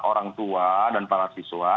orang tua dan para siswa